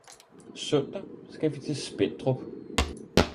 Søndag skal vi til Spentrup